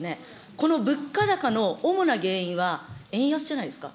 この物価高の主な原因は、円安じゃないですか。